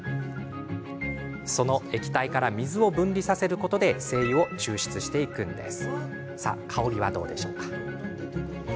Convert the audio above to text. その液体から水を分離させることで精油を抽出していくんです。